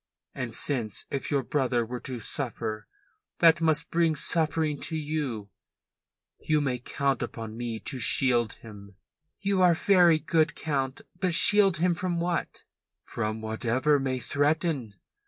And since if your brother were to suffer that must bring suffering to you, you may count upon me to shield him." "You are very good, Count. But shield him from what?" "From whatever may threaten.